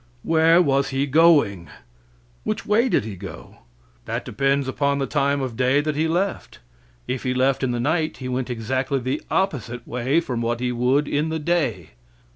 Where was He going? Which way did He go? That depends upon the time of day that He left. If He left in the night He went exactly the opposite way from what He would in the day.